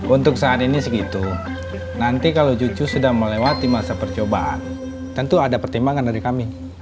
untuk saat ini segitu nanti kalau cucu sudah melewati masa percobaan tentu ada pertimbangan dari kami